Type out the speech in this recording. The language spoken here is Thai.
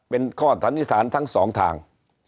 เป็นข้อสันนิษฐานทั้งสองทาง